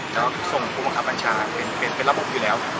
แล้วส่งคุณผู้ขับมัญชาเป็นระบบอยู่แล้ว